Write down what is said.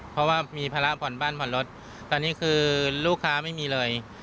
เพราะว่ามีภาระผ่อนบ้านผ่อนรถตอนนี้คือลูกค้าไม่มีเลย